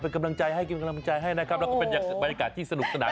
เป็นกำลังใจให้นะครับแล้วก็เป็นบรรยากาศที่สนุกสนาน